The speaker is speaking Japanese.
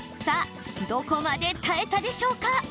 さあ、どこまで耐えたでしょうか。